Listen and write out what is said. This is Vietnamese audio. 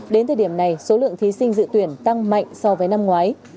đến thời điểm này số lượng thí sinh dự tuyển tăng mạnh so với năm ngoái